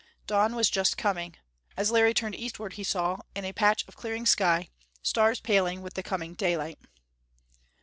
Dawn was just coming; as Larry turned eastward he saw, in a patch of clearing sky, stars paling with the coming daylight.